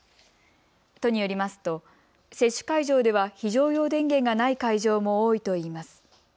都によりますと接種会場では非常用電源がない会場も多いといいます。